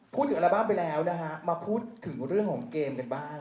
อัลบั้มไปแล้วนะฮะมาพูดถึงเรื่องของเกมกันบ้าง